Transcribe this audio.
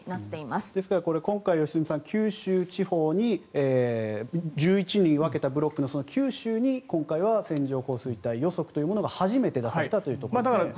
ですから今回、良純さん九州地方に１１に分けたブロックの九州に今回は線状降水帯予測が初めて出されたということですね。